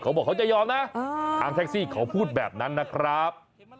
เขาบอกเขาจะยอมนะทางแท็กซี่เขาพูดแบบนั้นนะครับ